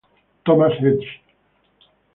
Thomas Hedges.